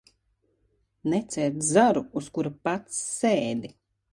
Necērt zaru, uz kura pats sēdi.